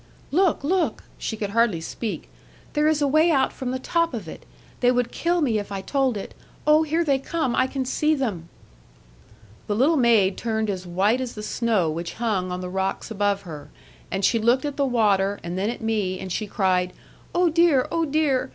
'Look! look!' She could hardly speak. 'There is a way out from the top of it; they would kill me if I told it. Oh, here they come, I can see them.' The little maid turned as white as the snow which hung on the rocks above her, and she looked at the water and then at me, and she cried, 'Oh dear! oh dear!'